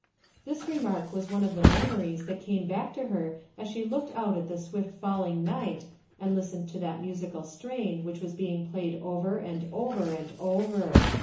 This remark was one' of the memories that came back to her as she looked out at the swift WHIMS 3 falling night, and listened to that musical strain which was being played over and over and over.